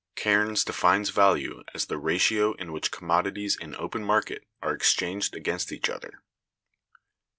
Cairnes(190) defines value as "the ratio in which commodities in open market are exchanged against each other."